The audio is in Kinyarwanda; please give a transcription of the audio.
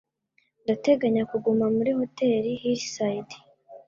Ndateganya kuguma muri Hoteli Hillside.